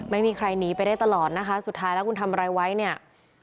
ไม่มีใครหนีไปได้ตลอดนะคะสุดท้ายแล้วคุณทำอะไรไว้เนี่ย